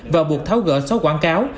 và buộc tháo gỡ sáu quảng cáo